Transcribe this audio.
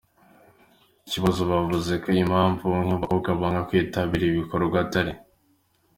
kibazo, bavuze ko impamvu bamwe mu bakobwa banga kwitabira ibi bikorwa atari.